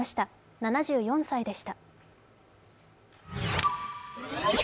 ７４歳でした。